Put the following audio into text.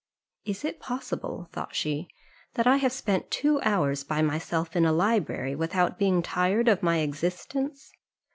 "Is it possible," thought she, "that I have spent two hours by myself in a library without being tired of my existence?